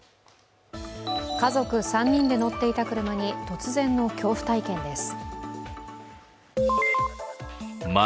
家族３人で乗っていた車に突然の恐怖体験です。